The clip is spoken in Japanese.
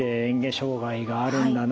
障害があるんだな。